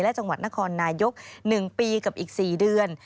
และจังหวัดนครนายกหนึ่งปีกับอีกสี่เดือน